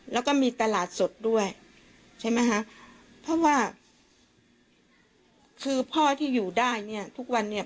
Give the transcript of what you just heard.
แล้วก็มีตลาดสดด้วยใช่ไหมคะเพราะว่าคือพ่อที่อยู่ได้เนี่ยทุกวันเนี่ย